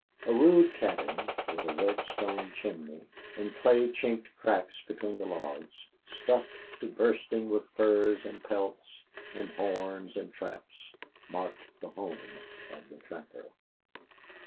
A rude cabin with a red stone chimney and clay chinked cracks between the logs, stuffed to bursting with furs and pelts and horns and traps, marked the home of the trapper.